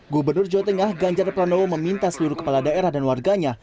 gubernur jawa tengah ganjar pranowo meminta seluruh kepala daerah dan warganya